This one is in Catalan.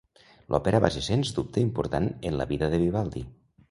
L'òpera va ser sens dubte important en la vida de Vivaldi.